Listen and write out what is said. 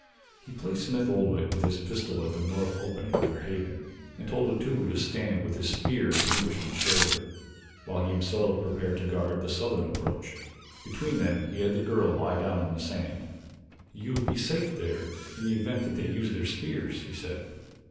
He placed Smith Oldwick, with his pistol, at the north opening of their haven and told Otobu to stand with his spear at the Englishman's shoulder, while he himself prepared to guard the southern approach. Between them he had the girl lie down in the sand. "You will be safe there in the event that they use their spears," he said.